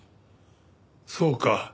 そうか。